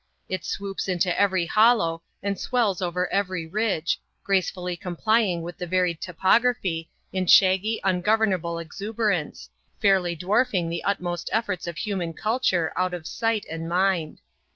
It swoops into every hollow and swells over every ridge, gracefully complying with the varied topography, in shaggy, ungovernable exuberance, fairly dwarfing the utmost efforts of human culture out of sight and mind.